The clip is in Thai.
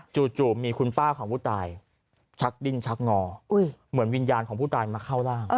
จู่มีคุณป้าของผู้ตายชักดิ้นชักงอเหมือนวิญญาณของผู้ตายมาเข้าร่าง